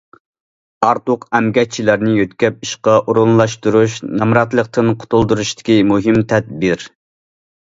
ئارتۇق ئەمگەكچىلەرنى يۆتكەپ ئىشقا ئورۇنلاشتۇرۇش نامراتلىقتىن قۇتۇلدۇرۇشتىكى مۇھىم تەدبىر.